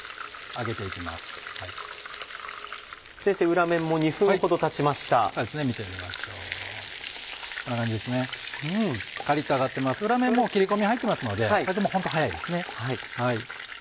裏面もう切り込み入ってますのでホント早いですね。